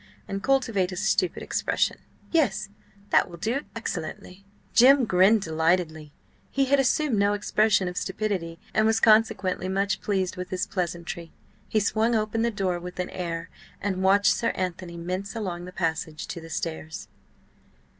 And cultivate a stupid expression. Yes, that will do excellently." Jim grinned delightedly; he had assumed no expression of stupidity, and was consequently much pleased with this pleasantry. He swung open the door with an air, and watched "Sir Anthony" mince along the passage to the stairs.